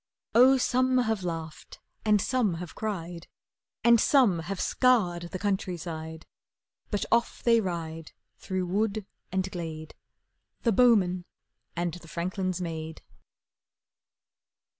Oh, some have laughed and some have cried, And some have scoured the countryside; But off they ride through wood and glade, The bowman and the franklin's maid.